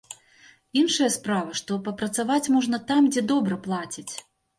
Іншая справа, што папрацаваць можна там, дзе добра плацяць.